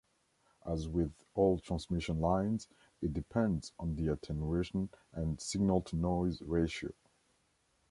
As with all transmission lines, it depends on the attenuation and signal-to-noise ratio.